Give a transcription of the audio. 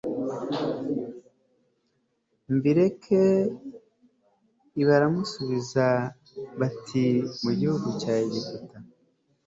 mbireke i baramusubiza batimu gihugu cya egiputa